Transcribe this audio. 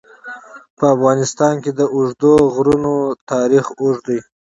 په افغانستان کې د اوږده غرونه تاریخ اوږد دی.